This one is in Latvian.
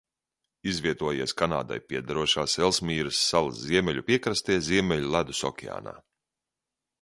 Izvietojies Kanādai piederošās Elsmīra salas ziemeļu piekrastē Ziemeļu Ledus okeānā.